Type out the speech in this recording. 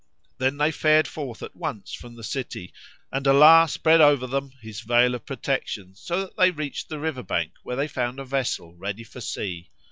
Then they fared forth at once from the city, and Allah spread over them His veil of protection, so that they reached the river bank where they found a vessel ready for sea.